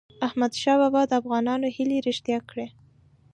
احمدشاه بابا د افغانانو هیلې رښتیا کړی.